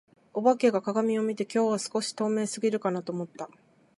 お化けが鏡を見て、「今日は少し透明過ぎるかな」と思った。